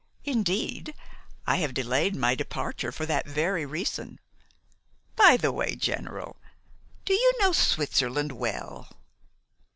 Indeed, I have delayed my departure for that very reason. By the way, General, do you know Switzerland well?"